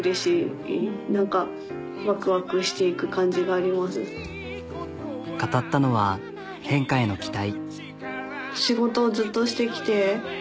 私まあ何か語ったのは変化への期待。